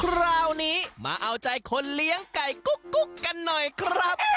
คราวนี้มาเอาใจคนเลี้ยงไก่กุ๊กกันหน่อยครับ